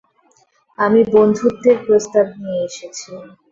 আমি বন্ধুত্বের প্রস্তাব নিয়ে এসেছি।